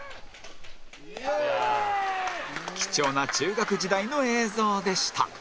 貴重な中学時代の映像でした